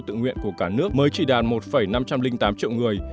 tự nguyện của cả nước mới chỉ đạt một năm trăm linh tám triệu người